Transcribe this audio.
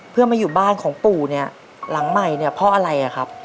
เพื่อมาอยู่บ้านของปู่เนี่ยหลังใหม่เนี่ยเพราะอะไรอ่ะครับ